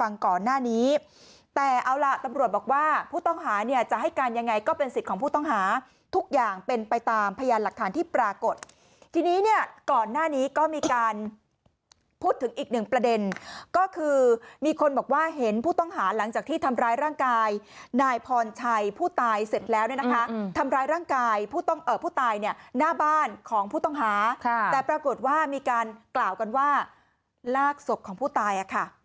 ฟังก่อนหน้านี้แต่เอาละตำรวจบอกว่าผู้ต้องหาเนี่ยจะให้การยังไงก็เป็นสิทธิ์ของผู้ต้องหาทุกอย่างเป็นไปตามพยานหลักฐานที่ปรากฏทีนี้เนี่ยก่อนหน้านี้ก็มีการพูดถึงอีกหนึ่งประเด็นก็คือมีคนบอกว่าเห็นผู้ต้องหาหลังจากที่ทำร้ายร่างกายนายพรชัยผู้ตายเสร็จแล้วนะคะทำร้ายร่างกายผู้ต้องเอ่อผู้ตายเนี่ย